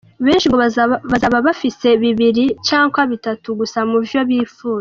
Benshi ngo baza bafise bibiri canke bitatu gusa mu vyo yipfuza.